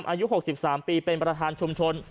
อายุ๖๓ปีเป็นประธานชุมชน